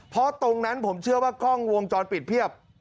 เพราะตรงนั้นผมเชื่อว่ากล้องวงจรปิดเพียบ